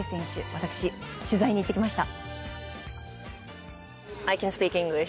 私、取材に行ってきました。